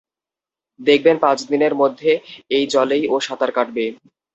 দেখবেন পাঁচ দিনের মধ্যে এই জলেই ও সাঁতার কাটবে।